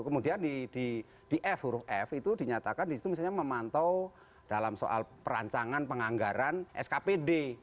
kemudian di f huruf f itu dinyatakan disitu misalnya memantau dalam soal perancangan penganggaran skpd